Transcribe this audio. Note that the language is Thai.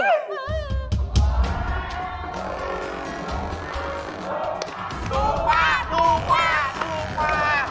ถูกกว่าถูกกว่าถูกกว่า